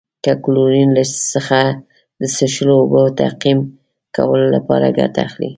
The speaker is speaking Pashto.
له کلورین څخه د څښلو اوبو تعقیم کولو لپاره ګټه اخلي.